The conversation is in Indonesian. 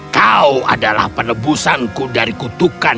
kau adalah penebusanku dari kutukan